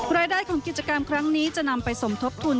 รายได้ของกิจกรรมครั้งนี้จะนำไปสมทบทุน